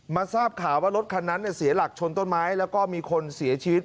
ทราบข่าวว่ารถคันนั้นเสียหลักชนต้นไม้แล้วก็มีคนเสียชีวิต